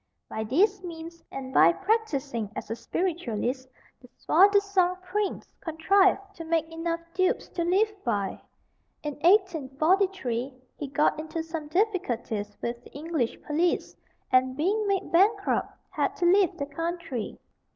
By these means, and by practising as a spiritualist, the soi disant prince contrived to make enough dupes to live by. In 1843 he got into some difficulties with the English police, and being made bankrupt, had to leave the country.